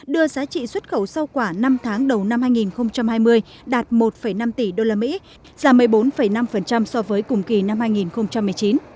đưa giá trị xuất khẩu rau quả năm tháng đầu năm hai nghìn hai mươi đạt một năm tỷ usd giảm một mươi bốn năm so với cùng kỳ năm hai nghìn một mươi chín